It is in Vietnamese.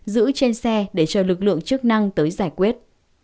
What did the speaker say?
giữ trên xe để chờ lực lượng chức năng tới giải quyết